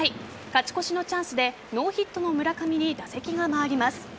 勝ち越しのチャンスでノーヒットの村上に打席が回ります。